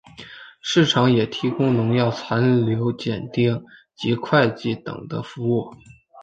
市场也提供农药残留检定及会计等的服务。